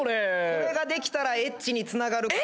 これができたらＨにつながるから。